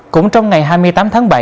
cũng trong ngày hai mươi tám tháng bảy